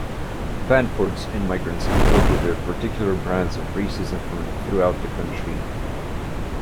Vanport's in-migrants imported their particular brands of racism from throughout the country.